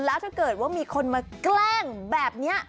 แล้วถ้าเกิดว่ามีคนมาแกล้งแบบนี้